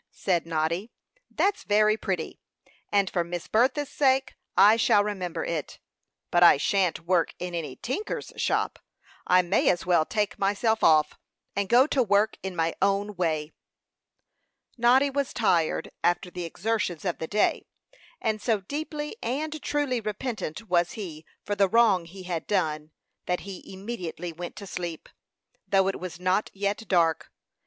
said Noddy. "That's very pretty, and for Miss Bertha's sake I shall remember it; but I shan't work in any tinker's shop. I may as well take myself off, and go to work in my own way." Noddy was tired, after the exertions of the day; and so deeply and truly repentant was he for the wrong he had done, that he immediately went to sleep, though it was not yet dark.